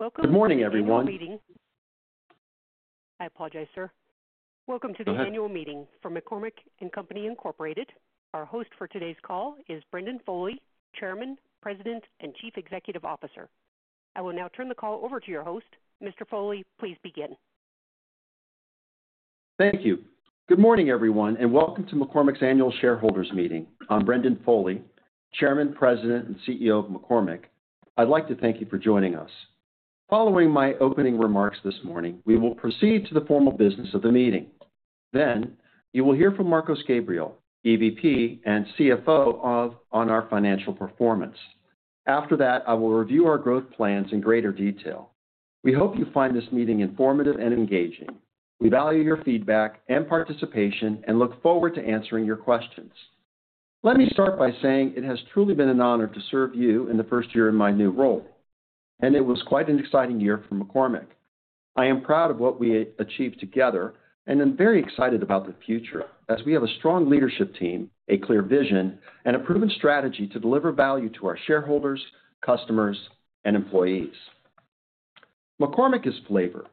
Welcome to the annual meeting for McCormick & Company. Our host for today's call is Brendan Foley, Chairman, President, and Chief Executive Officer. I will now turn the call over to your host. Mr. Foley, please begin. Thank you. Good morning, everyone, and welcome to McCormick's annual shareholders meeting. I'm Brendan Foley, Chairman, President, and CEO of McCormick. I'd like to thank you for joining us. Following my opening remarks this morning, we will proceed to the formal business of the meeting. You will hear from Marcos Gabriel, EVP and CFO on our financial performance. After that, I will review our growth plans in greater detail. We hope you find this meeting informative and engaging. We value your feedback and participation and look forward to answering your questions. Let me start by saying it has truly been an honor to serve you in the first year in my new role, and it was quite an exciting year for McCormick. I am proud of what we achieved together and am very excited about the future as we have a strong leadership team, a clear vision, and a proven strategy to deliver value to our shareholders, customers, and employees. McCormick is flavor.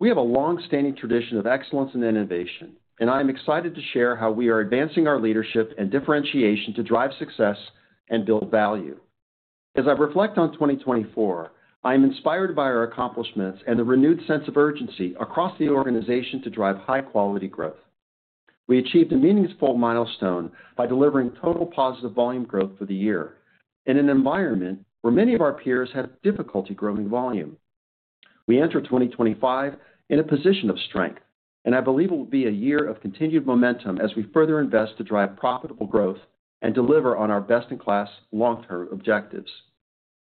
We have a long-standing tradition of excellence and innovation, and I am excited to share how we are advancing our leadership and differentiation to drive success and build value. As I reflect on 2024, I am inspired by our accomplishments and the renewed sense of urgency across the organization to drive high-quality growth. We achieved a meaningful milestone by delivering total positive volume growth for the year in an environment where many of our peers had difficulty growing volume. We enter 2025 in a position of strength, and I believe it will be a year of continued momentum as we further invest to drive profitable growth and deliver on our best-in-class long-term objectives.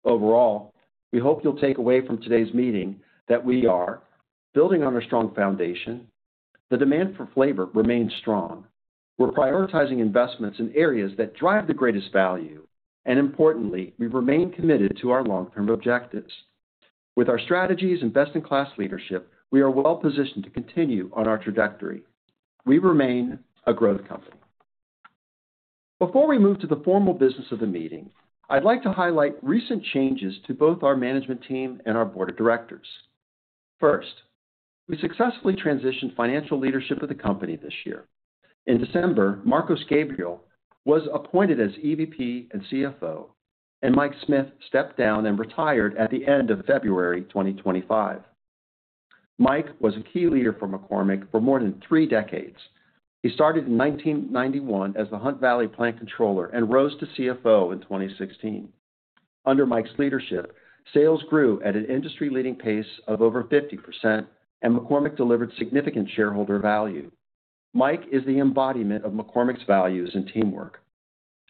Overall, we hope you'll take away from today's meeting that we are building on a strong foundation. The demand for flavor remains strong. We're prioritizing investments in areas that drive the greatest value, and importantly, we remain committed to our long-term objectives. With our strategies and best-in-class leadership, we are well-positioned to continue on our trajectory. We remain a growth company. Before we move to the formal business of the meeting, I'd like to highlight recent changes to both our management team and our board of directors. First, we successfully transitioned financial leadership of the company this year. In December, Marcos Gabriel was appointed as EVP and CFO, and Mike Smith stepped down and retired at the end of February 2025. Mike was a key leader for McCormick for more than three decades. He started in 1991 as the Hunt Valley plant controller and rose to CFO in 2016. Under Mike's leadership, sales grew at an industry-leading pace of over 50%, and McCormick delivered significant shareholder value. Mike is the embodiment of McCormick's values and teamwork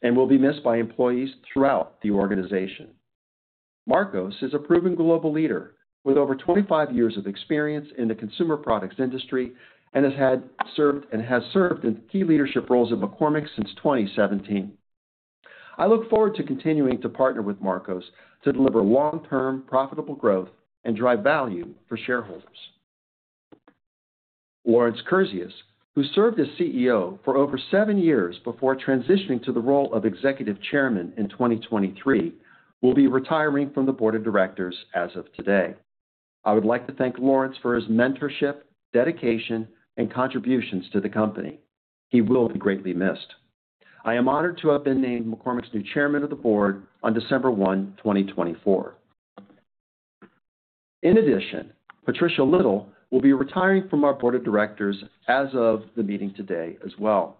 and will be missed by employees throughout the organization. Marcos is a proven global leader with over 25 years of experience in the consumer products industry and has served in key leadership roles at McCormick since 2017. I look forward to continuing to partner with Marcos to deliver long-term profitable growth and drive value for shareholders. Lawrence Kurzius, who served as CEO for over seven years before transitioning to the role of executive chairman in 2023, will be retiring from the board of directors as of today. I would like to thank Lawrence for his mentorship, dedication, and contributions to the company. He will be greatly missed. I am honored to have been named McCormick's new chairman of the board on December 1, 2024. In addition, Patricia Little will be retiring from our board of directors as of the meeting today as well.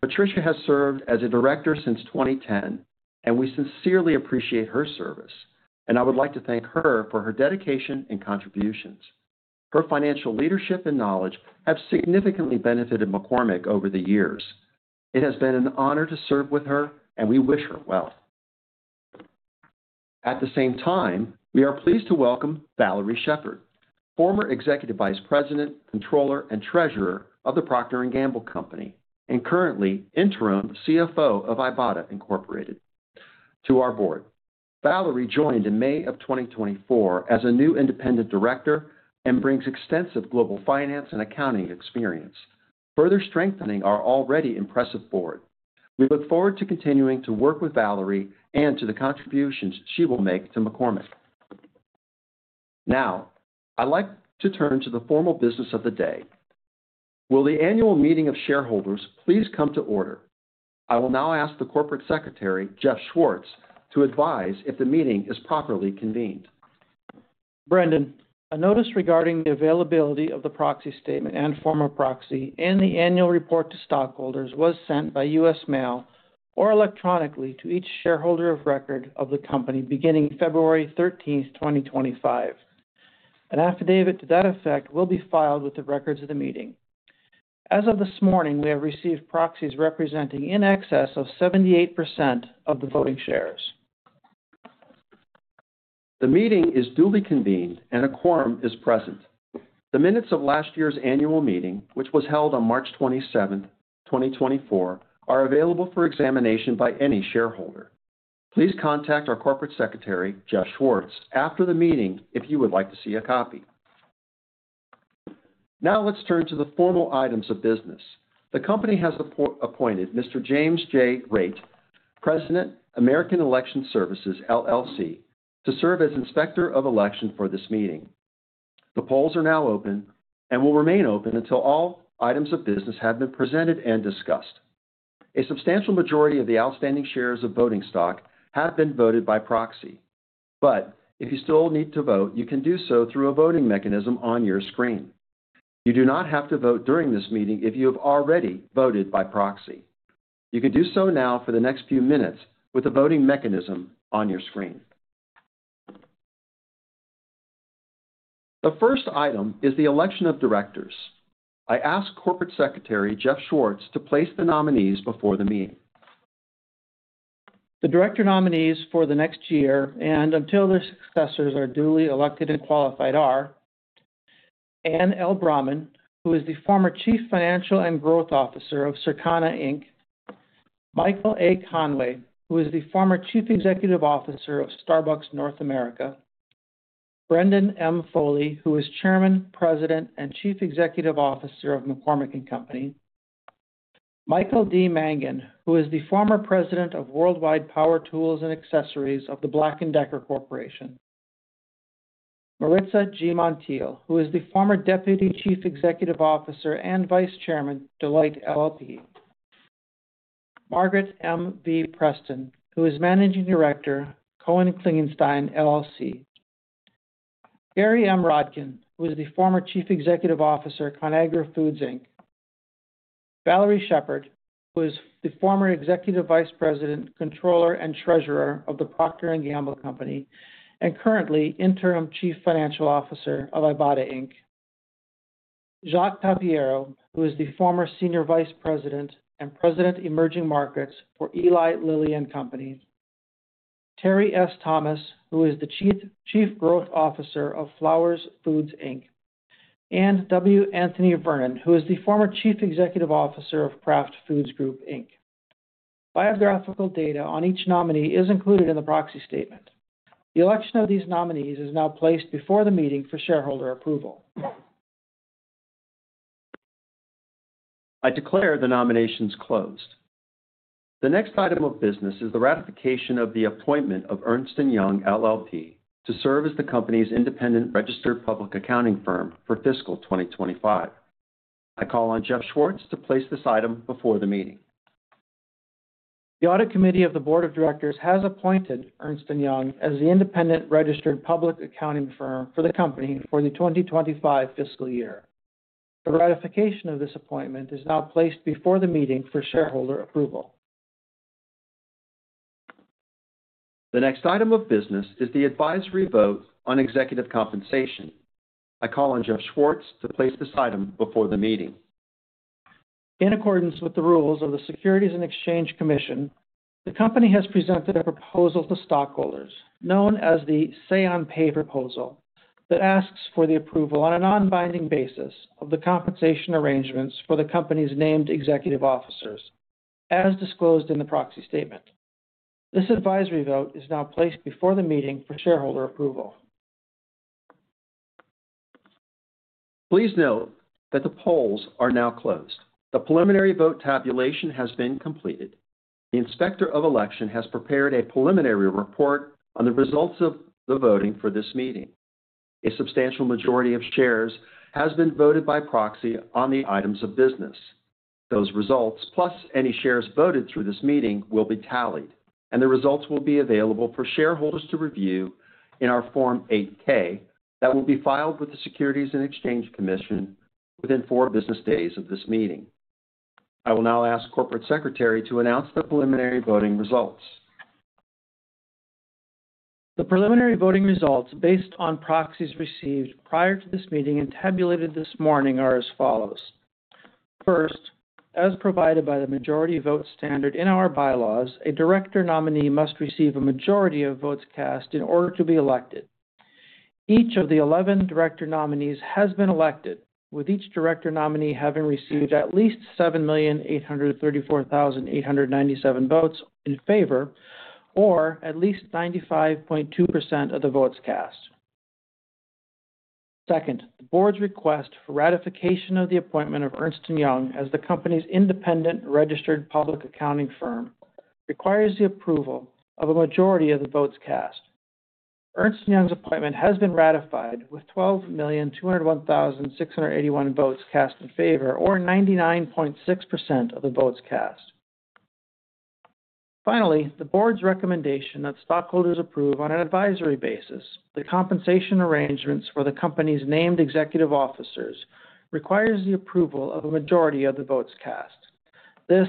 Patricia has served as a director since 2010, and we sincerely appreciate her service, and I would like to thank her for her dedication and contributions. Her financial leadership and knowledge have significantly benefited McCormick over the years. It has been an honor to serve with her, and we wish her well. At the same time, we are pleased to welcome Valarie Sheppard, former executive vice president, controller, and treasurer of the Procter & Gamble Company, and currently interim CFO of Ibotta Incorporated. To our board, Valarie joined in May of 2024 as a new independent director and brings extensive global finance and accounting experience, further strengthening our already impressive board. We look forward to continuing to work with Valarie and to the contributions she will make to McCormick. Now, I'd like to turn to the formal business of the day. Will the annual meeting of shareholders please come to order? I will now ask the corporate secretary, Jeff Schwartz, to advise if the meeting is properly convened. Brendan, a notice regarding the availability of the proxy statement and former proxy and the annual report to stockholders was sent by U.S. mail or electronically to each shareholder of record of the company beginning February 13, 2025. An affidavit to that effect will be filed with the records of the meeting. As of this morning, we have received proxies representing in excess of 78% of the voting shares. The meeting is duly convened, and a quorum is present. The minutes of last year's annual meeting, which was held on March 27, 2024, are available for examination by any shareholder. Please contact our Corporate Secretary, Jeff Schwartz, after the meeting if you would like to see a copy. Now let's turn to the formal items of business. The company has appointed Mr. James J. Raite, President, American Election Services, to serve as inspector of election for this meeting. The polls are now open and will remain open until all items of business have been presented and discussed. A substantial majority of the outstanding shares of voting stock have been voted by proxy, but if you still need to vote, you can do so through a voting mechanism on your screen. You do not have to vote during this meeting if you have already voted by proxy. You can do so now for the next few minutes with the voting mechanism on your screen. The first item is the election of directors. I ask Corporate Secretary, Jeff Schwartz, to place the nominees before the meeting. The director nominees for the next year and until their successors are duly elected and qualified are Anne L. Bramman, who is the former chief financial and growth officer of Circana Inc., Michael A. Conway, who is the former chief executive officer of Starbucks North America, Brendan M. Foley, who is Chairman, President, and Chief Executive Officer of McCormick & Company, Michael D. Mangan, who is the former president of Worldwide Power Tools and Accessories of the Black & Decker Corporation, Maritza G. Montiel, who is the former deputy chief executive officer and vice chairman, Deloitte LLP, Margaret M. V. Preston, who is managing director, Cohen & Klingenstein LLC. Gary M. Rodkin, who is the former chief executive officer, Conagra Foods Inc., Valerie Shepherd, who is the former executive vice president, controller, and treasurer of the Procter & Gamble Company, and currently interim chief financial officer of Ibotta Inc., Jacques Tapiero, who is the former senior vice president and president, emerging markets for Eli Lilly & Company, Terry S. Thomas, who is the chief growth officer of Flowers Foods Inc., and W. Anthony Vernon, who is the former chief executive officer of Kraft Foods Group Inc. Biographical data on each nominee is included in the proxy statement. The election of these nominees is now placed before the meeting for shareholder approval. I declare the nominations closed. The next item of business is the ratification of the appointment of Ernst & Young LLP to serve as the company's independent registered public accounting firm for fiscal 2025. I call on Jeff Schwartz to place this item before the meeting. The audit committee of the board of directors has appointed Ernst & Young as the independent registered public accounting firm for the company for the 2025 fiscal year. The ratification of this appointment is now placed before the meeting for shareholder approval. The next item of business is the advisory vote on executive compensation. I call on Jeff Schwartz to place this item before the meeting. In accordance with the rules of the Securities and Exchange Commission, the company has presented a proposal to stockholders known as the say-on-pay proposal that asks for the approval on a non-binding basis of the compensation arrangements for the company's named executive officers, as disclosed in the proxy statement. This advisory vote is now placed before the meeting for shareholder approval. Please note that the polls are now closed. The preliminary vote tabulation has been completed. The inspector of election has prepared a preliminary report on the results of the voting for this meeting. A substantial majority of shares has been voted by proxy on the items of business. Those results, plus any shares voted through this meeting, will be tallied, and the results will be available for shareholders to review in our Form 8-K that will be filed with the Securities and Exchange Commission within four business days of this meeting. I will now ask Corporate Secretary to announce the preliminary voting results. The preliminary voting results based on proxies received prior to this meeting and tabulated this morning are as follows. First, as provided by the majority vote standard in our bylaws, a director nominee must receive a majority of votes cast in order to be elected. Each of the 11 director nominees has been elected, with each director nominee having received at least 7,834,897 votes in favor or at least 95.2% of the votes cast. Second, the board's request for ratification of the appointment of Ernst & Young as the company's independent registered public accounting firm requires the approval of a majority of the votes cast. Ernst & Young's appointment has been ratified with 12,201,681 votes cast in favor or 99.6% of the votes cast. Finally, the board's recommendation that stockholders approve on an advisory basis the compensation arrangements for the company's named executive officers requires the approval of a majority of the votes cast. This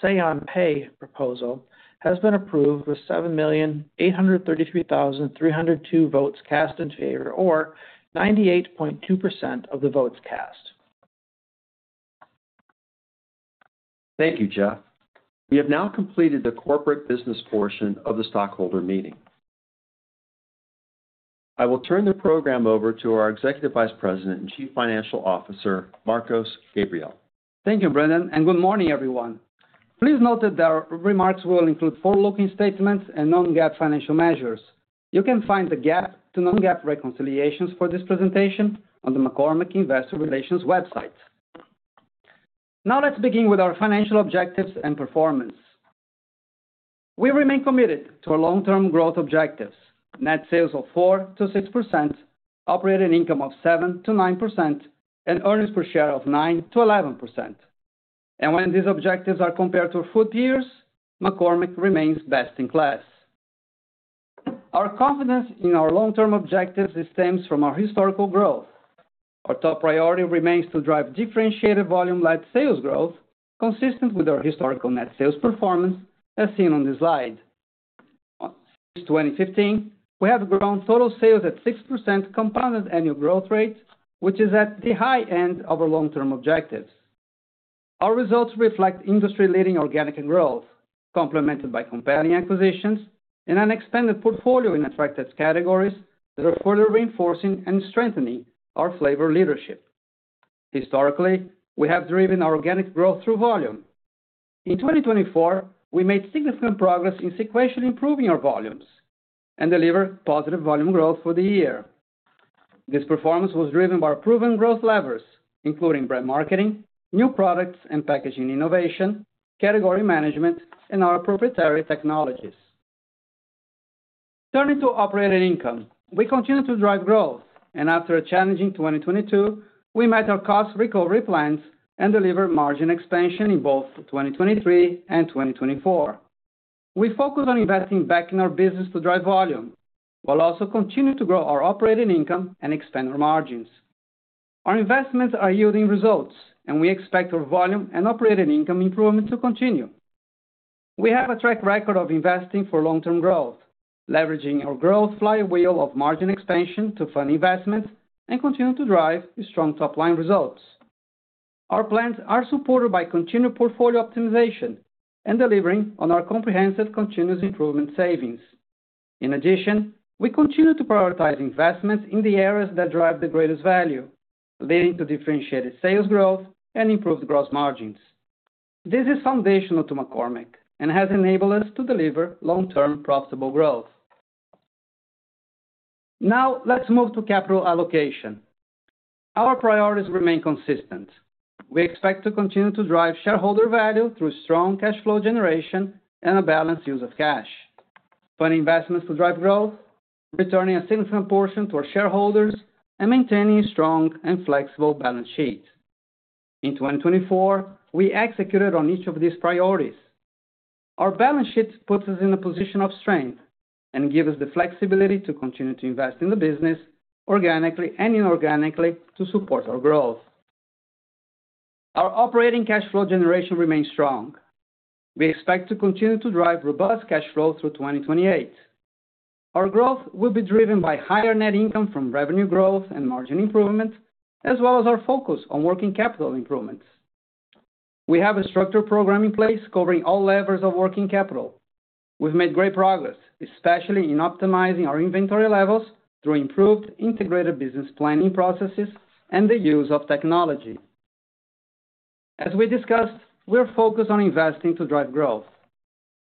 say-on-pay proposal has been approved with 7,833,302 votes cast in favor or 98.2% of the votes cast. Thank you, Jeff. We have now completed the corporate business portion of the stockholder meeting. I will turn the program over to our Executive Vice President and Chief Financial Officer, Marcos Gabriel. Thank you, Brendan, and good morning, everyone. Please note that our remarks will include forward-looking statements and non-GAAP financial measures. You can find the GAAP to non-GAAP reconciliations for this presentation on the McCormick Investor Relations website. Now let's begin with our financial objectives and performance. We remain committed to our long-term growth objectives: net sales of 4%-6%, operating income of 7%-9%, and earnings per share of 9%-11%. When these objectives are compared to our fourth years, McCormick remains best in class. Our confidence in our long-term objectives stems from our historical growth. Our top priority remains to drive differentiated volume-led sales growth consistent with our historical net sales performance, as seen on the slide. Since 2015, we have grown total sales at 6% compounded annual growth rate, which is at the high end of our long-term objectives. Our results reflect industry-leading organic growth, complemented by compelling acquisitions and an expanded portfolio in attractive categories that are further reinforcing and strengthening our flavor leadership. Historically, we have driven our organic growth through volume. In 2024, we made significant progress in sequentially improving our volumes and delivered positive volume growth for the year. This performance was driven by proven growth levers, including brand marketing, new products and packaging innovation, category management, and our proprietary technologies. Turning to operating income, we continue to drive growth, and after a challenging 2022, we met our cost recovery plans and delivered margin expansion in both 2023 and 2024. We focus on investing back in our business to drive volume while also continuing to grow our operating income and expand our margins. Our investments are yielding results, and we expect our volume and operating income improvements to continue. We have a track record of investing for long-term growth, leveraging our growth flywheel of margin expansion to fund investments and continue to drive strong top-line results. Our plans are supported by continued portfolio optimization and delivering on our comprehensive continuous improvement savings. In addition, we continue to prioritize investments in the areas that drive the greatest value, leading to differentiated sales growth and improved gross margins. This is foundational to McCormick and has enabled us to deliver long-term profitable growth. Now, let's move to capital allocation. Our priorities remain consistent. We expect to continue to drive shareholder value through strong cash flow generation and a balanced use of cash, funding investments to drive growth, returning a significant portion to our shareholders, and maintaining a strong and flexible balance sheet. In 2024, we executed on each of these priorities. Our balance sheet puts us in a position of strength and gives us the flexibility to continue to invest in the business organically and inorganically to support our growth. Our operating cash flow generation remains strong. We expect to continue to drive robust cash flow through 2028. Our growth will be driven by higher net income from revenue growth and margin improvement, as well as our focus on working capital improvements. We have a structured program in place covering all levers of working capital. We've made great progress, especially in optimizing our inventory levels through improved integrated business planning processes and the use of technology. As we discussed, we are focused on investing to drive growth.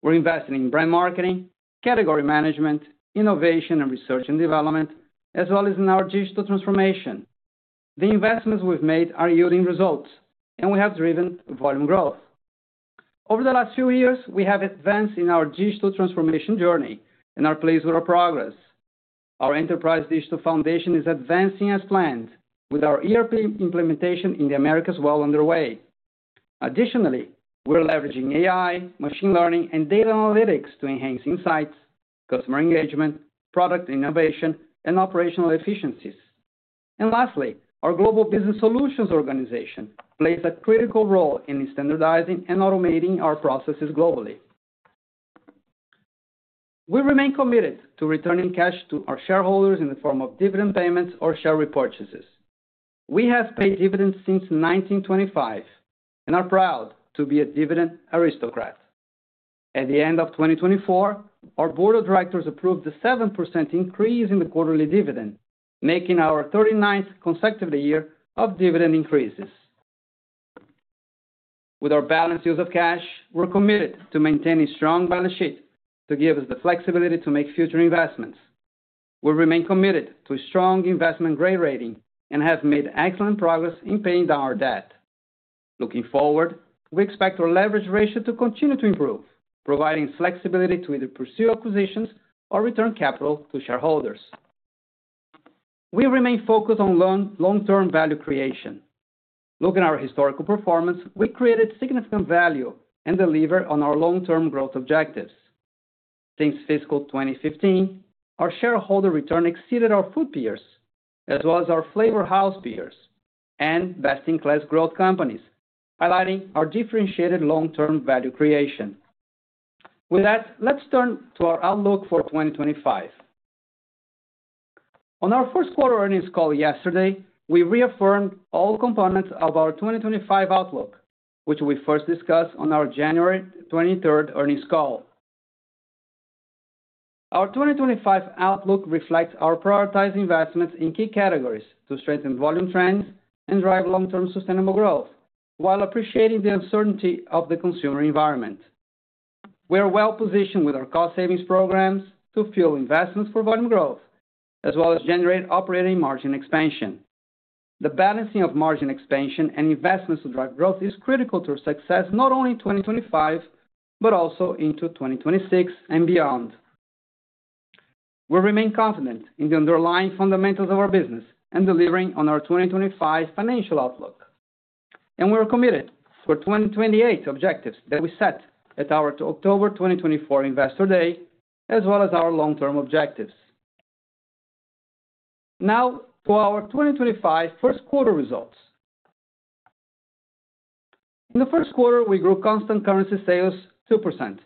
We're investing in brand marketing, category management, innovation, and research and development, as well as in our digital transformation. The investments we've made are yielding results, and we have driven volume growth. Over the last few years, we have advanced in our digital transformation journey and are pleased with our progress. Our enterprise digital foundation is advancing as planned, with our ERP implementation in the Americas well underway. Additionally, we're leveraging AI, machine learning, and data analytics to enhance insights, customer engagement, product innovation, and operational efficiencies. Lastly, our global business solutions organization plays a critical role in standardizing and automating our processes globally. We remain committed to returning cash to our shareholders in the form of dividend payments or share repurchases. We have paid dividends since 1925 and are proud to be a dividend aristocrat. At the end of 2024, our board of directors approved a 7% increase in the quarterly dividend, making our 39th consecutive year of dividend increases. With our balanced use of cash, we're committed to maintaining a strong balance sheet to give us the flexibility to make future investments. We remain committed to a strong investment-grade rating and have made excellent progress in paying down our debt. Looking forward, we expect our leverage ratio to continue to improve, providing flexibility to either pursue acquisitions or return capital to shareholders. We remain focused on long-term value creation. Looking at our historical performance, we created significant value and delivered on our long-term growth objectives. Since fiscal 2015, our shareholder return exceeded our food peers, as well as our flavor house peers and best-in-class growth companies, highlighting our differentiated long-term value creation. With that, let's turn to our outlook for 2025. On our first quarter earnings call yesterday, we reaffirmed all components of our 2025 outlook, which we first discussed on our January 23rd earnings call. Our 2025 outlook reflects our prioritized investments in key categories to strengthen volume trends and drive long-term sustainable growth while appreciating the uncertainty of the consumer environment. We are well-positioned with our cost savings programs to fuel investments for volume growth, as well as generate operating margin expansion. The balancing of margin expansion and investments to drive growth is critical to our success not only in 2025, but also into 2026 and beyond. We remain confident in the underlying fundamentals of our business and delivering on our 2025 financial outlook. We are committed for 2028 objectives that we set at our October 2024 Investor Day, as well as our long-term objectives. Now to our 2025 first quarter results. In the first quarter, we grew constant currency sales 2%,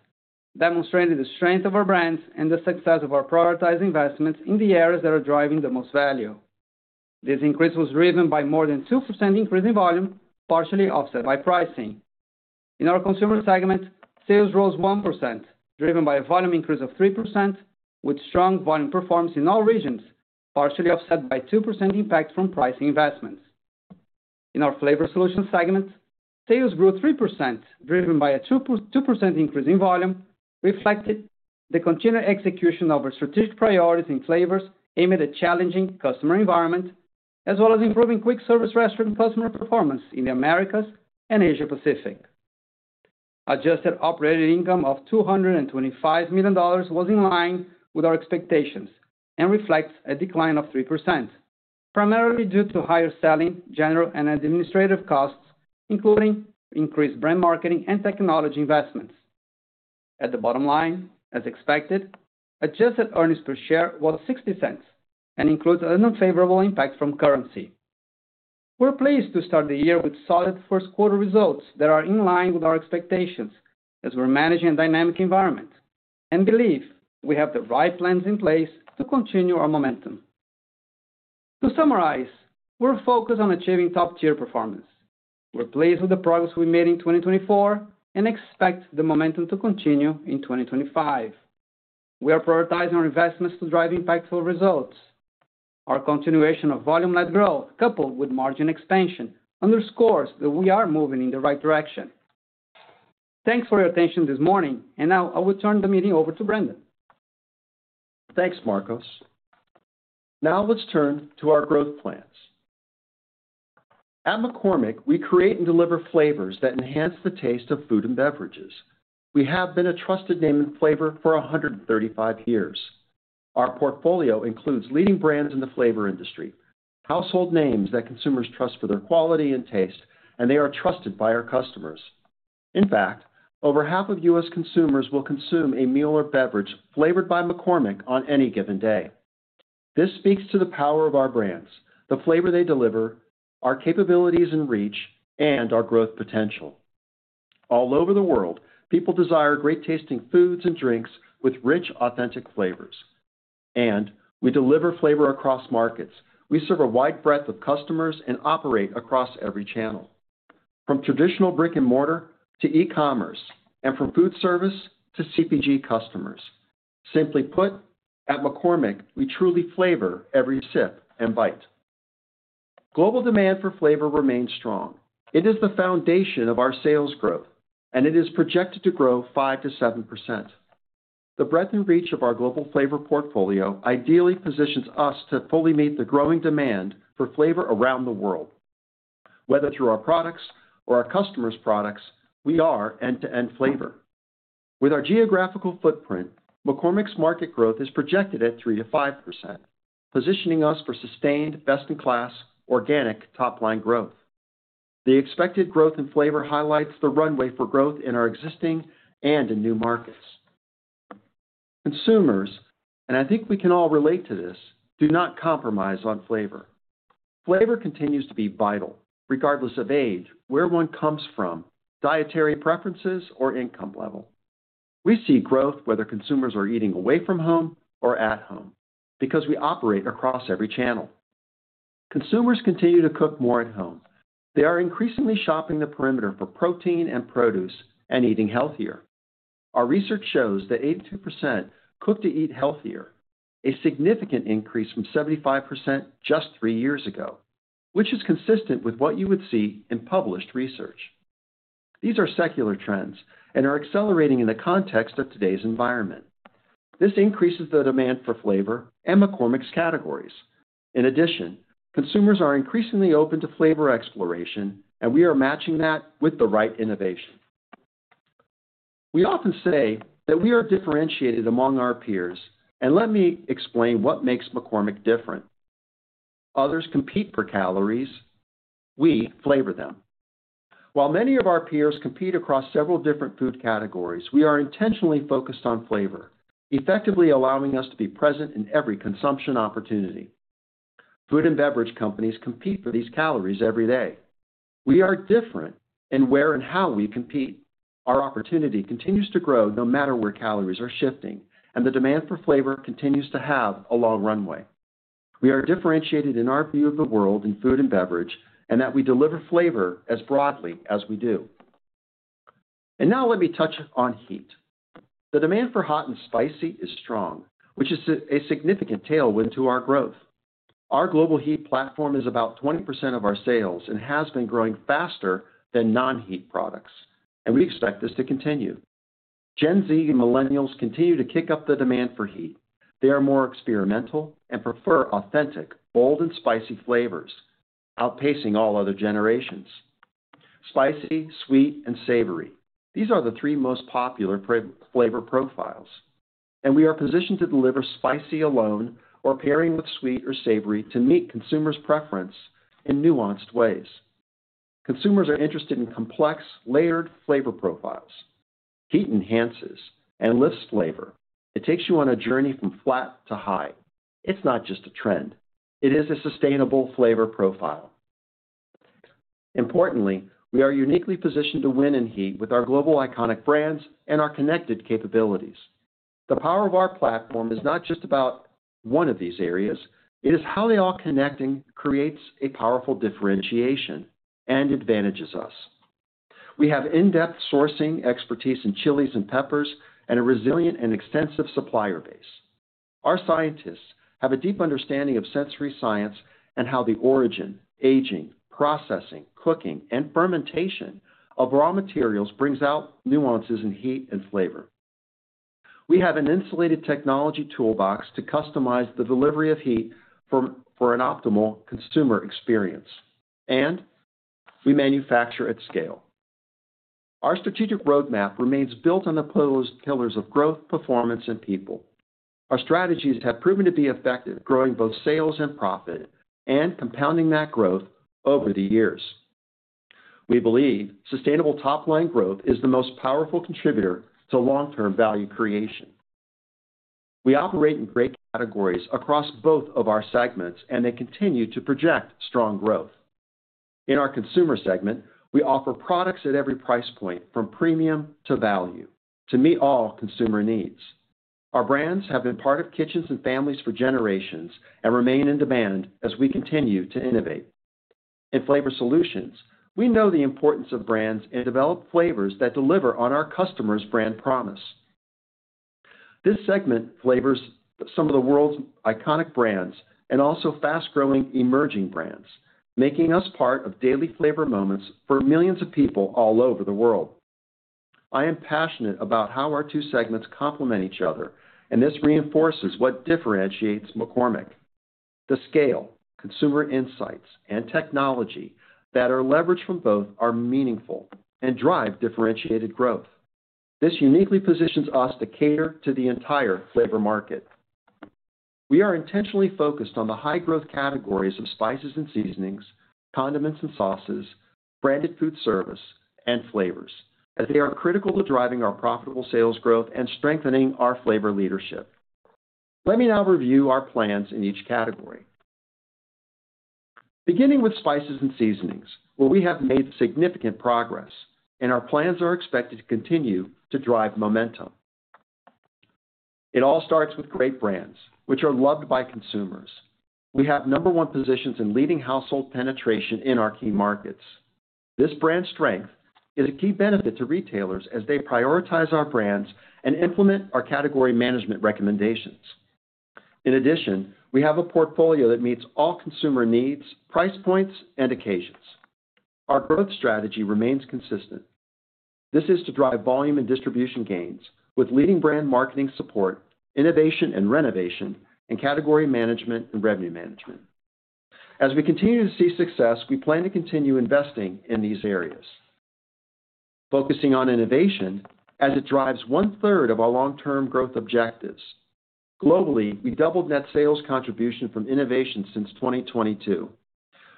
demonstrating the strength of our brands and the success of our prioritized investments in the areas that are driving the most value. This increase was driven by more than 2% increase in volume, partially offset by pricing. In our consumer segment, sales rose 1%, driven by a volume increase of 3%, with strong volume performance in all regions, partially offset by 2% impact from pricing investments. In our flavor solutions segment, sales grew 3%, driven by a 2% increase in volume, reflecting the continued execution of our strategic priorities in flavors amid a challenging customer environment, as well as improving quick service restaurant customer performance in the Americas and Asia-Pacific. Adjusted operating income of $225 million was in line with our expectations and reflects a decline of 3%, primarily due to higher selling, general, and administrative costs, including increased brand marketing and technology investments. At the bottom line, as expected, adjusted earnings per share was $0.60 and includes an unfavorable impact from currency. We're pleased to start the year with solid first quarter results that are in line with our expectations as we're managing a dynamic environment and believe we have the right plans in place to continue our momentum. To summarize, we're focused on achieving top-tier performance. We're pleased with the progress we made in 2024 and expect the momentum to continue in 2025. We are prioritizing our investments to drive impactful results. Our continuation of volume-led growth, coupled with margin expansion, underscores that we are moving in the right direction. Thanks for your attention this morning, and now I will turn the meeting over to Brendan. Thanks, Marcos. Now let's turn to our growth plans. At McCormick, we create and deliver flavors that enhance the taste of food and beverages. We have been a trusted name and flavor for 135 years. Our portfolio includes leading brands in the flavor industry, household names that consumers trust for their quality and taste, and they are trusted by our customers. In fact, over half of U.S. consumers will consume a meal or beverage flavored by McCormick on any given day. This speaks to the power of our brands, the flavor they deliver, our capabilities and reach, and our growth potential. All over the world, people desire great-tasting foods and drinks with rich, authentic flavors. We deliver flavor across markets. We serve a wide breadth of customers and operate across every channel, from traditional brick-and-mortar to e-commerce, and from food service to CPG customers. Simply put, at McCormick, we truly flavor every sip and bite. Global demand for flavor remains strong. It is the foundation of our sales growth, and it is projected to grow 5%-7%. The breadth and reach of our global flavor portfolio ideally positions us to fully meet the growing demand for flavor around the world. Whether through our products or our customers' products, we are end-to-end flavor. With our geographical footprint, McCormick's market growth is projected at 3%-5%, positioning us for sustained best-in-class organic top-line growth. The expected growth in flavor highlights the runway for growth in our existing and in new markets. Consumers, and I think we can all relate to this, do not compromise on flavor. Flavor continues to be vital, regardless of age, where one comes from, dietary preferences, or income level. We see growth whether consumers are eating away from home or at home because we operate across every channel. Consumers continue to cook more at home. They are increasingly shopping the perimeter for protein and produce and eating healthier. Our research shows that 82% cook to eat healthier, a significant increase from 75% just three years ago, which is consistent with what you would see in published research. These are secular trends and are accelerating in the context of today's environment. This increases the demand for flavor and McCormick's categories. In addition, consumers are increasingly open to flavor exploration, and we are matching that with the right innovation. We often say that we are differentiated among our peers, and let me explain what makes McCormick different. Others compete for calories, we flavor them. While many of our peers compete across several different food categories, we are intentionally focused on flavor, effectively allowing us to be present in every consumption opportunity. Food and beverage companies compete for these calories every day. We are different in where and how we compete. Our opportunity continues to grow no matter where calories are shifting, and the demand for flavor continues to have a long runway. We are differentiated in our view of the world in food and beverage and that we deliver flavor as broadly as we do. Now let me touch on heat. The demand for hot and spicy is strong, which is a significant tailwind to our growth. Our global heat platform is about 20% of our sales and has been growing faster than non-heat products, and we expect this to continue. Gen Z and millennials continue to kick up the demand for heat. They are more experimental and prefer authentic, bold, and spicy flavors, outpacing all other generations. Spicy, sweet, and savory. These are the three most popular flavor profiles, and we are positioned to deliver spicy alone or pairing with sweet or savory to meet consumers' preference in nuanced ways. Consumers are interested in complex, layered flavor profiles. Heat enhances and lifts flavor. It takes you on a journey from flat to high. It's not just a trend. It is a sustainable flavor profile. Importantly, we are uniquely positioned to win in heat with our global iconic brands and our connected capabilities. The power of our platform is not just about one of these areas. It is how they all connect and create a powerful differentiation and advantages us. We have in-depth sourcing expertise in chilies and peppers and a resilient and extensive supplier base. Our scientists have a deep understanding of sensory science and how the origin, aging, processing, cooking, and fermentation of raw materials brings out nuances in heat and flavor. We have an insulated technology toolbox to customize the delivery of heat for an optimal consumer experience, and we manufacture at scale. Our strategic roadmap remains built on the pillars of growth, performance, and people. Our strategies have proven to be effective, growing both sales and profit and compounding that growth over the years. We believe sustainable top-line growth is the most powerful contributor to long-term value creation. We operate in great categories across both of our segments, and they continue to project strong growth. In our consumer segment, we offer products at every price point, from premium to value, to meet all consumer needs. Our brands have been part of kitchens and families for generations and remain in demand as we continue to innovate. In flavor solutions, we know the importance of brands and develop flavors that deliver on our customers' brand promise. This segment flavors some of the world's iconic brands and also fast-growing emerging brands, making us part of daily flavor moments for millions of people all over the world. I am passionate about how our two segments complement each other, and this reinforces what differentiates McCormick. The scale, consumer insights, and technology that are leveraged from both are meaningful and drive differentiated growth. This uniquely positions us to cater to the entire flavor market. We are intentionally focused on the high-growth categories of spices and seasonings, condiments and sauces, branded food service, and flavors, as they are critical to driving our profitable sales growth and strengthening our flavor leadership. Let me now review our plans in each category. Beginning with spices and seasonings, where we have made significant progress, and our plans are expected to continue to drive momentum. It all starts with great brands, which are loved by consumers. We have number one positions in leading household penetration in our key markets. This brand strength is a key benefit to retailers as they prioritize our brands and implement our category management recommendations. In addition, we have a portfolio that meets all consumer needs, price points, and occasions. Our growth strategy remains consistent. This is to drive volume and distribution gains with leading brand marketing support, innovation and renovation, and category management and revenue management. As we continue to see success, we plan to continue investing in these areas, focusing on innovation as it drives 1/3 of our long-term growth objectives. Globally, we doubled net sales contribution from innovation since 2022.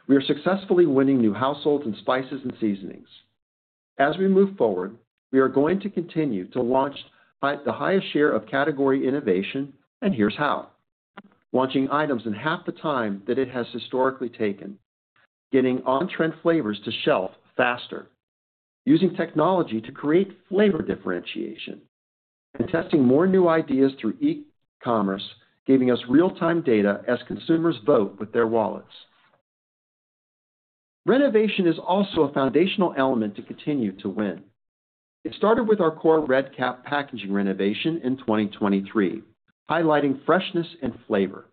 We are successfully winning new households in spices and seasonings. As we move forward, we are going to continue to launch the highest share of category innovation, and here is how: launching items in half the time that it has historically taken, getting on-trend flavors to shelf faster, using technology to create flavor differentiation, and testing more new ideas through e-commerce, giving us real-time data as consumers vote with their wallets. Renovation is also a foundational element to continue to win. It started with our core red cap packaging renovation in 2023, highlighting freshness and flavor,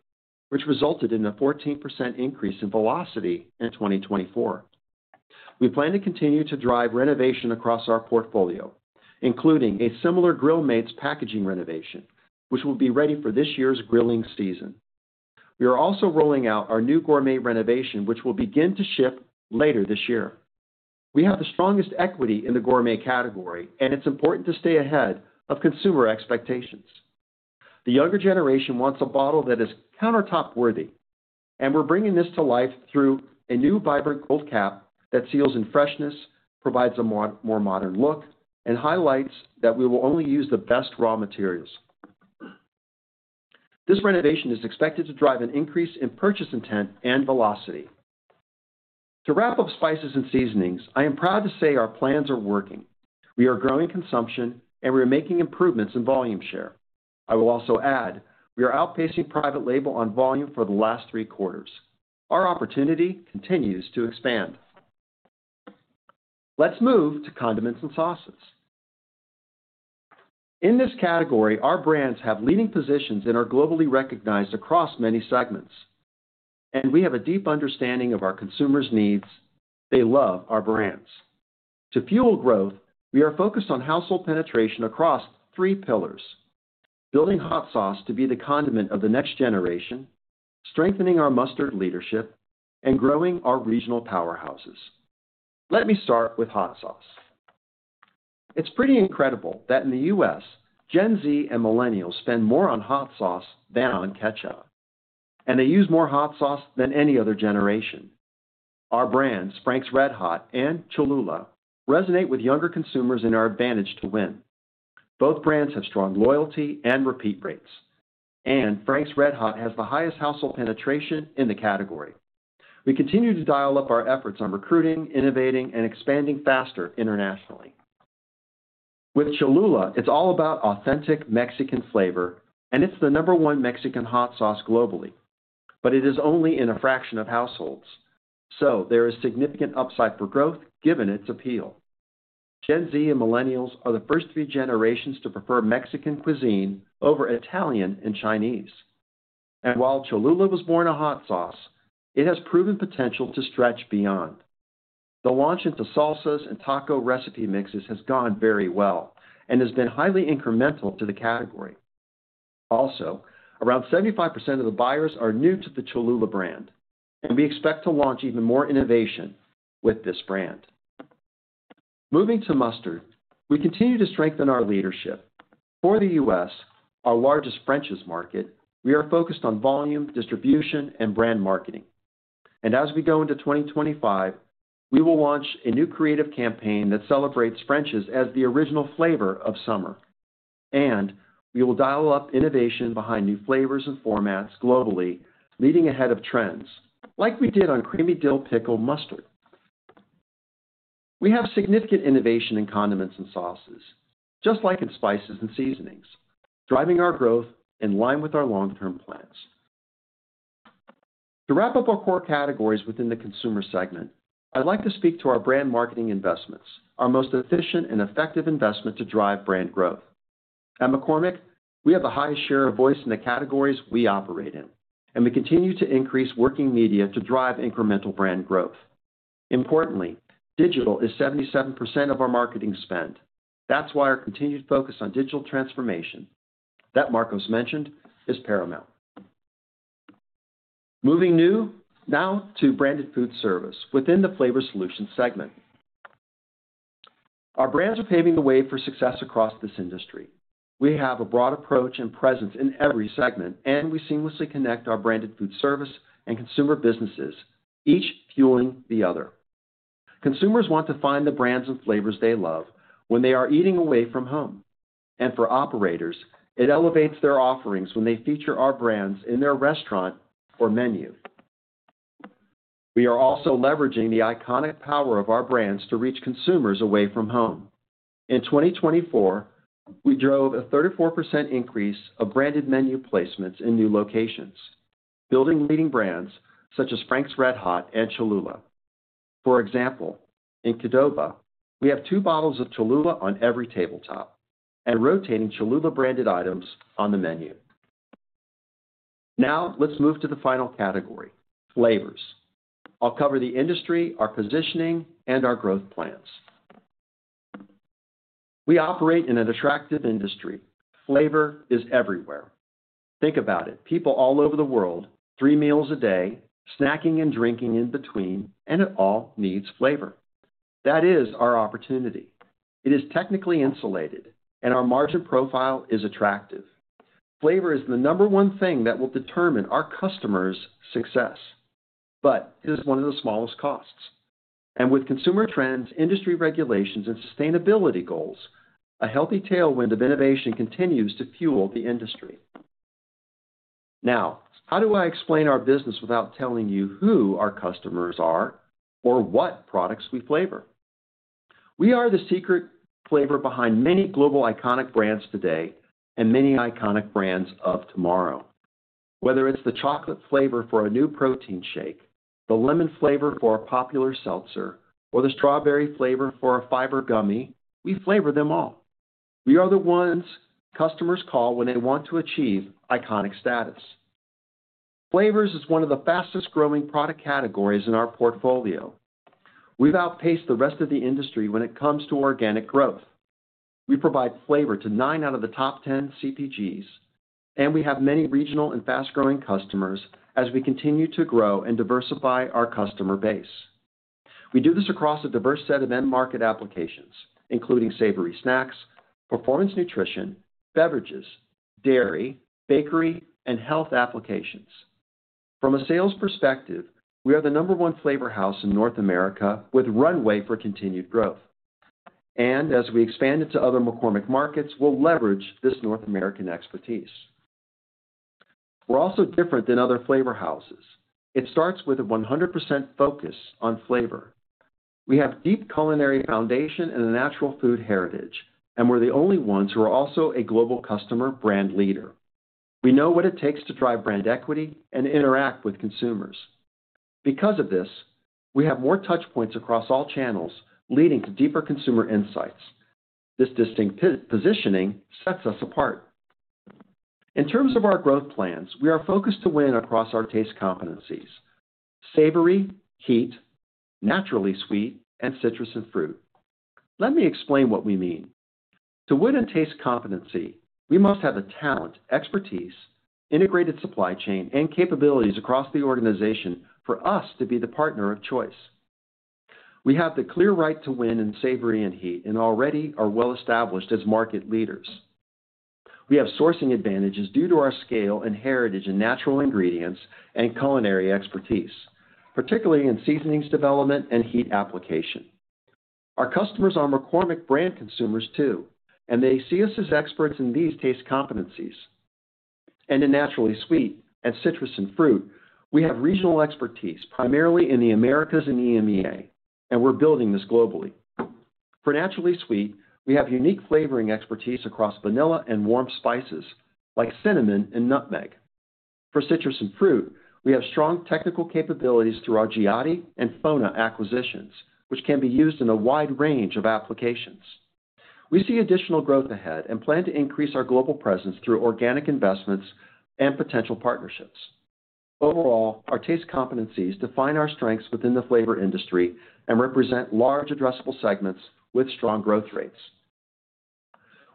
which resulted in a 14% increase in velocity in 2024. We plan to continue to drive renovation across our portfolio, including a similar Grill Mates packaging renovation, which will be ready for this year's grilling season. We are also rolling out our new Gourmet renovation, which will begin to ship later this year. We have the strongest equity in the Gourmet category, and it's important to stay ahead of consumer expectations. The younger generation wants a bottle that is countertop-worthy, and we're bringing this to life through a new vibrant gold cap that seals in freshness, provides a more modern look, and highlights that we will only use the best raw materials. This renovation is expected to drive an increase in purchase intent and velocity. To wrap up spices and seasonings, I am proud to say our plans are working. We are growing consumption, and we are making improvements in volume share. I will also add we are outpacing private label on volume for the last three quarters. Our opportunity continues to expand. Let's move to condiments and sauces. In this category, our brands have leading positions and are globally recognized across many segments, and we have a deep understanding of our consumers' needs. They love our brands. To fuel growth, we are focused on household penetration across three pillars: building hot sauce to be the condiment of the next generation, strengthening our mustard leadership, and growing our regional powerhouses. Let me start with hot sauce. It's pretty incredible that in the U.S., Gen Z and millennials spend more on hot sauce than on ketchup, and they use more hot sauce than any other generation. Our brands, Frank's RedHot and Cholula, resonate with younger consumers and are advantaged to win. Both brands have strong loyalty and repeat rates, and Frank's RedHot has the highest household penetration in the category. We continue to dial up our efforts on recruiting, innovating, and expanding faster internationally. With Cholula, it's all about authentic Mexican flavor, and it's the number one Mexican hot sauce globally, but it is only in a fraction of households, so there is significant upside for growth given its appeal. Gen Z and millennials are the first three generations to prefer Mexican cuisine over Italian and Chinese. While Cholula was born a hot sauce, it has proven potential to stretch beyond. The launch into salsas and taco recipe mixes has gone very well and has been highly incremental to the category. Also, around 75% of the buyers are new to the Cholula brand, and we expect to launch even more innovation with this brand. Moving to mustard, we continue to strengthen our leadership. For the U.S., our largest French's market, we are focused on volume, distribution, and brand marketing. As we go into 2025, we will launch a new creative campaign that celebrates French's as the original flavor of summer, and we will dial up innovation behind new flavors and formats globally, leading ahead of trends like we did on creamy dill pickle mustard. We have significant innovation in condiments and sauces, just like in spices and seasonings, driving our growth in line with our long-term plans. To wrap up our core categories within the consumer segment, I'd like to speak to our brand marketing investments, our most efficient and effective investment to drive brand growth. At McCormick, we have the highest share of voice in the categories we operate in, and we continue to increase working media to drive incremental brand growth. Importantly, digital is 77% of our marketing spend. That's why our continued focus on digital transformation that Marcos mentioned is paramount. Moving now to branded food service within the flavor solution segment. Our brands are paving the way for success across this industry. We have a broad approach and presence in every segment, and we seamlessly connect our branded food service and consumer businesses, each fueling the other. Consumers want to find the brands and flavors they love when they are eating away from home, and for operators, it elevates their offerings when they feature our brands in their restaurant or menu. We are also leveraging the iconic power of our brands to reach consumers away from home. In 2024, we drove a 34% increase of branded menu placements in new locations, building leading brands such as Frank's RedHot and Cholula. For example, in Qdoba, we have two bottles of Cholula on every tabletop and rotating Cholula branded items on the menu. Now let's move to the final category: flavors. I'll cover the industry, our positioning, and our growth plans. We operate in an attractive industry. Flavor is everywhere. Think about it: people all over the world, three meals a day, snacking and drinking in between, and it all needs flavor. That is our opportunity. It is technically insulated, and our margin profile is attractive. Flavor is the number one thing that will determine our customers' success, but it is one of the smallest costs. With consumer trends, industry regulations, and sustainability goals, a healthy tailwind of innovation continues to fuel the industry. Now, how do I explain our business without telling you who our customers are or what products we flavor? We are the secret flavor behind many global iconic brands today and many iconic brands of tomorrow. Whether it's the chocolate flavor for a new protein shake, the lemon flavor for a popular seltzer, or the strawberry flavor for a fiber gummy, we flavor them all. We are the ones customers call when they want to achieve iconic status. Flavors is one of the fastest-growing product categories in our portfolio. We've outpaced the rest of the industry when it comes to organic growth. We provide flavor to nine out of the top 10 CPGs, and we have many regional and fast-growing customers as we continue to grow and diversify our customer base. We do this across a diverse set of end-market applications, including savory snacks, performance nutrition, beverages, dairy, bakery, and health applications. From a sales perspective, we are the number one flavor house in North America with runway for continued growth. As we expand into other McCormick markets, we'll leverage this North American expertise. We're also different than other flavor houses. It starts with a 100% focus on flavor. We have a deep culinary foundation and a natural food heritage, and we're the only ones who are also a global customer brand leader. We know what it takes to drive brand equity and interact with consumers. Because of this, we have more touchpoints across all channels, leading to deeper consumer insights. This distinct positioning sets us apart. In terms of our growth plans, we are focused to win across our taste competencies: savory, heat, naturally sweet, and citrus and fruit. Let me explain what we mean. To win in taste competency, we must have the talent, expertise, integrated supply chain, and capabilities across the organization for us to be the partner of choice. We have the clear right to win in savory and heat and already are well-established as market leaders. We have sourcing advantages due to our scale and heritage in natural ingredients and culinary expertise, particularly in seasonings development and heat application. Our customers are McCormick brand consumers too, and they see us as experts in these taste competencies. In naturally sweet and citrus and fruit, we have regional expertise primarily in the Americas and EMEA, and we are building this globally. For naturally sweet, we have unique flavoring expertise across vanilla and warm spices like cinnamon and nutmeg. For citrus and fruit, we have strong technical capabilities through our Giotti and FONA acquisitions, which can be used in a wide range of applications. We see additional growth ahead and plan to increase our global presence through organic investments and potential partnerships. Overall, our taste competencies define our strengths within the flavor industry and represent large addressable segments with strong growth rates.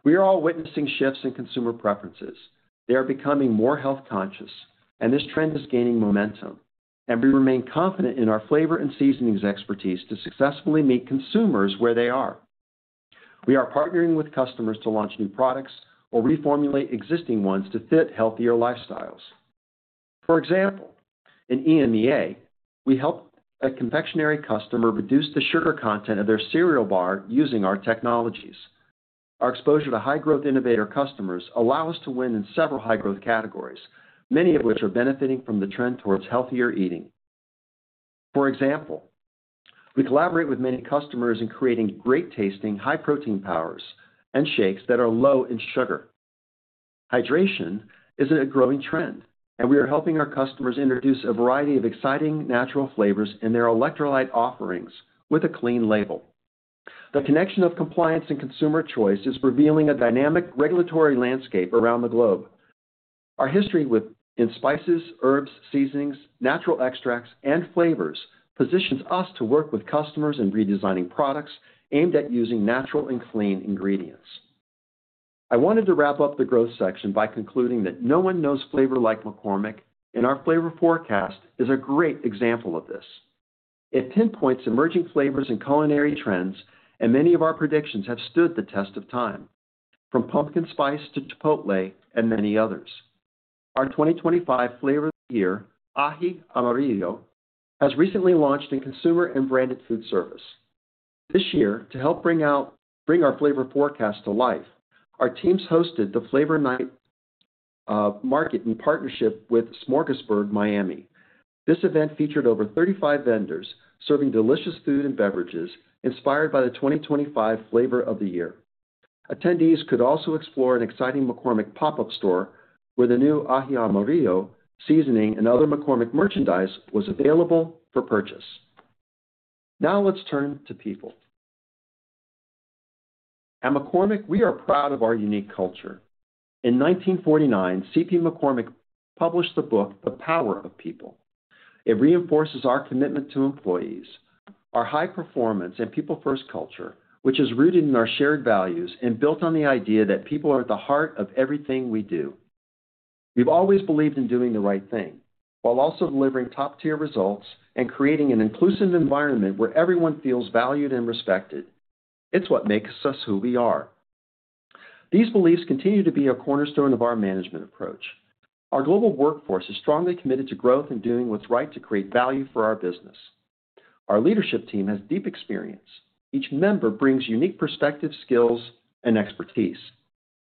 We are all witnessing shifts in consumer preferences. They are becoming more health conscious, and this trend is gaining momentum, and we remain confident in our flavor and seasonings expertise to successfully meet consumers where they are. We are partnering with customers to launch new products or reformulate existing ones to fit healthier lifestyles. For example, in EMEA, we help a confectionery customer reduce the sugar content of their cereal bar using our technologies. Our exposure to high-growth innovator customers allows us to win in several high-growth categories, many of which are benefiting from the trend towards healthier eating. For example, we collaborate with many customers in creating great tasting high-protein powers and shakes that are low in sugar. Hydration is a growing trend, and we are helping our customers introduce a variety of exciting natural flavors in their electrolyte offerings with a clean label. The connection of compliance and consumer choice is revealing a dynamic regulatory landscape around the globe. Our history with spices, herbs, seasonings, natural extracts, and flavors positions us to work with customers in redesigning products aimed at using natural and clean ingredients. I wanted to wrap up the growth section by concluding that no one knows flavor like McCormick, and our flavor forecast is a great example of this. It pinpoints emerging flavors and culinary trends, and many of our predictions have stood the test of time, from pumpkin spice to Chipotle and many others. Our 2025 flavor of the year, Aji Amarillo, has recently launched in consumer and branded food service. This year, to help bring our flavor forecast to life, our teams hosted the Flavor Night Market in partnership with Smorgasburg, Miami. This event featured over 35 vendors serving delicious food and beverages inspired by the 2025 flavor of the year. Attendees could also explore an exciting McCormick pop-up store where the new Aji Amarillo seasoning and other McCormick merchandise was available for purchase. Now let's turn to people. At McCormick, we are proud of our unique culture. In 1949, C. P. McCormick published the book The Power of People. It reinforces our commitment to employees, our high performance, and people-first culture, which is rooted in our shared values and built on the idea that people are at the heart of everything we do. We've always believed in doing the right thing while also delivering top-tier results and creating an inclusive environment where everyone feels valued and respected. It's what makes us who we are. These beliefs continue to be a cornerstone of our management approach. Our global workforce is strongly committed to growth and doing what's right to create value for our business. Our leadership team has deep experience. Each member brings unique perspectives, skills, and expertise.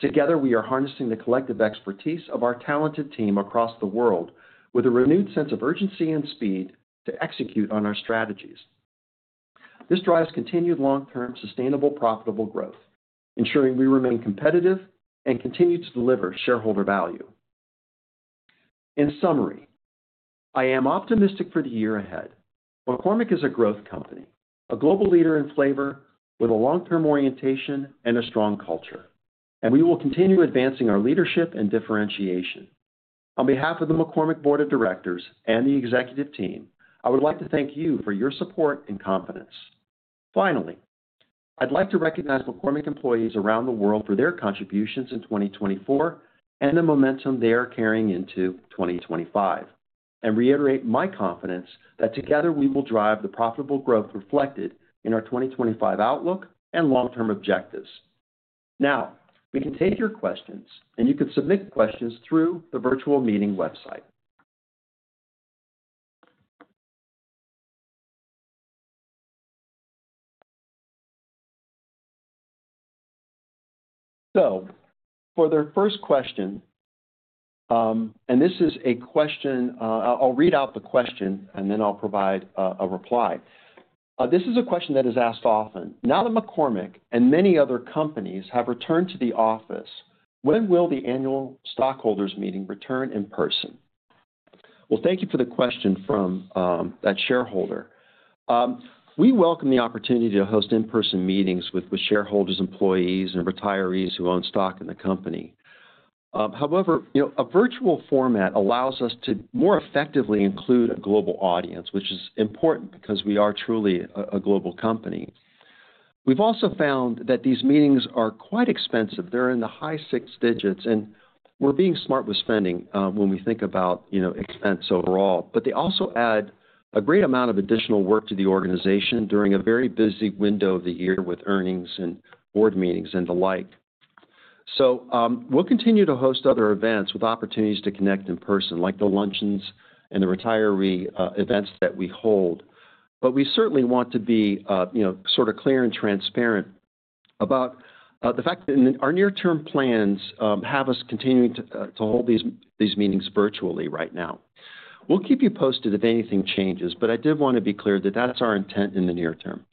Together, we are harnessing the collective expertise of our talented team across the world with a renewed sense of urgency and speed to execute on our strategies. This drives continued long-term sustainable profitable growth, ensuring we remain competitive and continue to deliver shareholder value. In summary, I am optimistic for the year ahead. McCormick is a growth company, a global leader in flavor with a long-term orientation and a strong culture, and we will continue advancing our leadership and differentiation. On behalf of the McCormick Board of Directors and the executive team, I would like to thank you for your support and confidence. Finally, I'd like to recognize McCormick employees around the world for their contributions in 2024 and the momentum they are carrying into 2025, and reiterate my confidence that together we will drive the profitable growth reflected in our 2025 outlook and long-term objectives. Now, we can take your questions, and you can submit questions through the virtual meeting website. For the first question, and this is a question I'll read out the question, and then I'll provide a reply. This is a question that is asked often. Now that McCormick and many other companies have returned to the office, when will the annual stockholders' meeting return in person? Thank you for the question from that shareholder. We welcome the opportunity to host in-person meetings with shareholders, employees, and retirees who own stock in the company. However, a virtual format allows us to more effectively include a global audience, which is important because we are truly a global company. We've also found that these meetings are quite expensive. They're in the high six digits, and we're being smart with spending when we think about expense overall. They also add a great amount of additional work to the organization during a very busy window of the year with earnings and board meetings and the like. We will continue to host other events with opportunities to connect in person, like the luncheons and the retiree events that we hold, but we certainly want to be clear and transparent about the fact that our near-term plans have us continuing to hold these meetings virtually right now. We'll keep you posted if anything changes, but I did want to be clear that that's our intent in the near-term.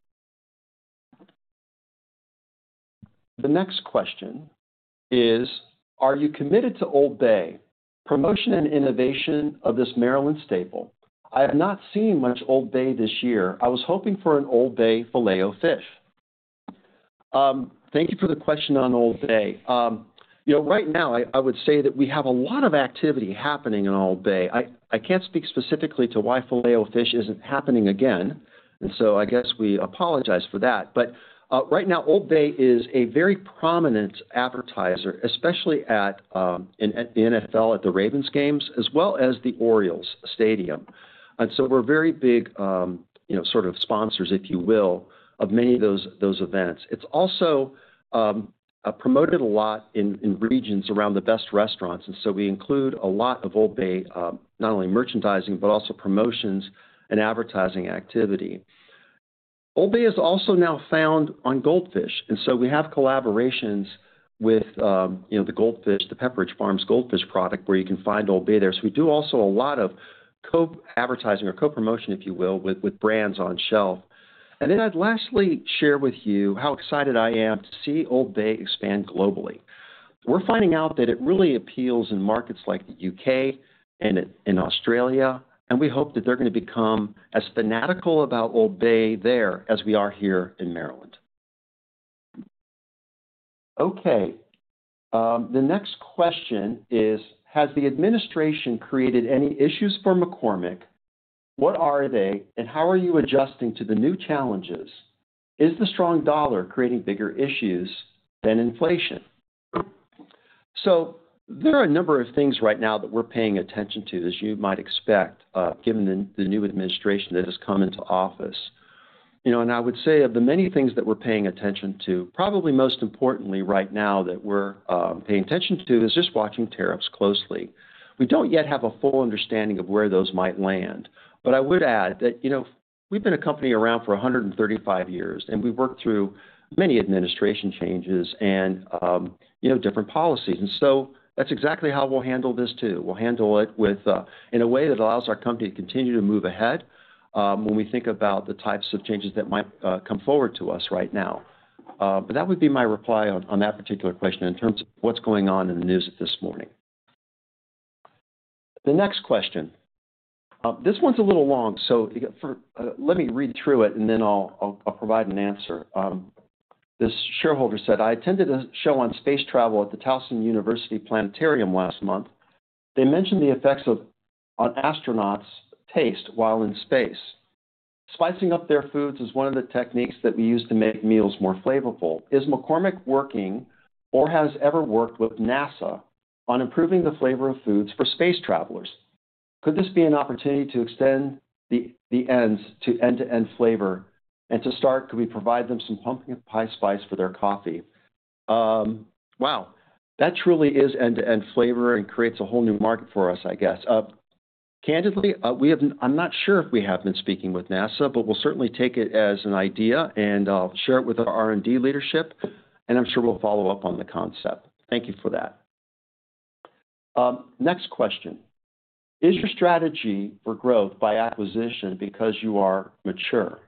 The next question is, are you committed to Old Bay, promotion and innovation of this Maryland staple? I have not seen much Old Bay this year. I was hoping for an Old Bay Filet-O-Fish. Thank you for the question on Old Bay. Right now, I would say that we have a lot of activity happening in Old Bay. I can't speak specifically to why Filet-O-Fish isn't happening again, and I guess we apologize for that. Right now, Old Bay is a very prominent advertiser, especially at the NFL at the Ravens games, as well as the Orioles Stadium. We are very big sort of sponsors, if you will, of many of those events. It's also promoted a lot in regions around the best restaurants, and so we include a lot of Old Bay, not only merchandising, but also promotions and advertising activity. Old Bay is also now found on Goldfish, and so we have collaborations with the Goldfish, the Pepperidge Farm Goldfish product, where you can find Old Bay there. We do also a lot of co-advertising or co-promotion, if you will, with brands on shelf. I'd lastly share with you how excited I am to see Old Bay expand globally. We're finding out that it really appeals in markets like the U.K. and in Australia, and we hope that they're going to become as fanatical about Old Bay there as we are here in Maryland. Okay. The next question is, has the administration created any issues for McCormick? What are they, and how are you adjusting to the new challenges? Is the strong dollar creating bigger issues than inflation? There are a number of things right now that we're paying attention to, as you might expect, given the new administration that has come into office. I would say of the many things that we're paying attention to, probably most importantly right now that we're paying attention to is just watching tariffs closely. We do not yet have a full understanding of where those might land, but I would add that we've been a company around for 135 years, and we've worked through many administration changes and different policies. That is exactly how we'll handle this too. We'll handle it in a way that allows our company to continue to move ahead when we think about the types of changes that might come forward to us right now. That would be my reply on that particular question in terms of what's going on in the news this morning. The next question. This one's a little long, so let me read through it, and then I'll provide an answer. This shareholder said, "I attended a show on space travel at the Towson University Planetarium last month. They mentioned the effects on astronauts' taste while in space. Spicing up their foods is one of the techniques that we use to make meals more flavorful. Is McCormick working or has ever worked with NASA on improving the flavor of foods for space travelers? Could this be an opportunity to extend the ends to end-to-end flavor? To start, could we provide them some pumpkin pie spice for their coffee? Wow. That truly is end-to-end flavor and creates a whole new market for us, I guess. Candidly, I'm not sure if we have been speaking with NASA, but we'll certainly take it as an idea and share it with our R&D leadership, and I'm sure we'll follow up on the concept. Thank you for that. Next question. Is your strategy for growth by acquisition because you are mature?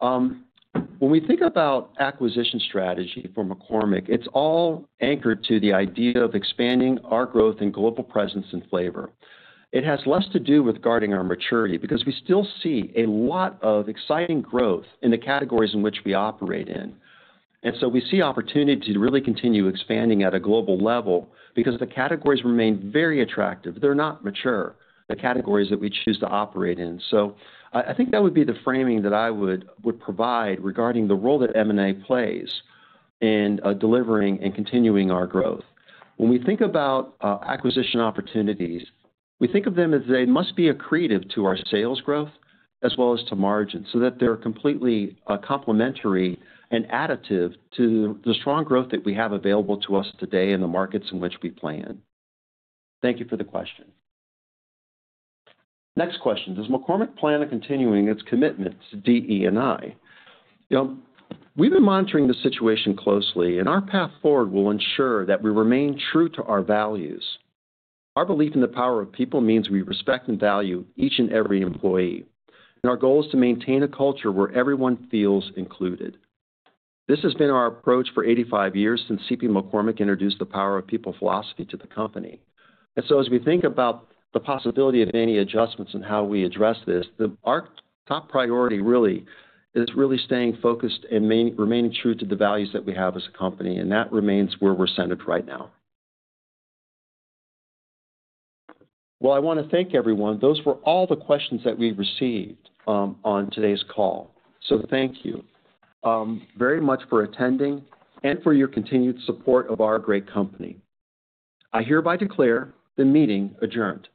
When we think about acquisition strategy for McCormick, it's all anchored to the idea of expanding our growth and global presence and flavor. It has less to do with guarding our maturity because we still see a lot of exciting growth in the categories in which we operate in. We see opportunity to really continue expanding at a global level because the categories remain very attractive. They're not mature, the categories that we choose to operate in. I think that would be the framing that I would provide regarding the role that M&A plays in delivering and continuing our growth. When we think about acquisition opportunities, we think of them as they must be accretive to our sales growth as well as to margin so that they're completely complementary and additive to the strong growth that we have available to us today in the markets in which we play in. Thank you for the question. Next question. Does McCormick plan on continuing its commitment to DE&I? We've been monitoring the situation closely, and our path forward will ensure that we remain true to our values. Our belief in the Power of People means we respect and value each and every employee, and our goal is to maintain a culture where everyone feels included. This has been our approach for 85 years since C. P. McCormick introduced The Power of People philosophy to the company. As we think about the possibility of any adjustments in how we address this, our top priority really is really staying focused and remaining true to the values that we have as a company, and that remains where we're centered right now. I want to thank everyone. Those were all the questions that we received on today's call. Thank you very much for attending and for your continued support of our great company. I hereby declare the meeting adjourned.